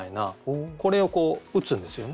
これをこう打つんですよね？